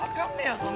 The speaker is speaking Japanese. そんなの。